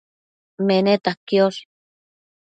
Meneta quiosh